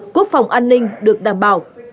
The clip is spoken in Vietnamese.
quốc phòng an ninh được đảm bảo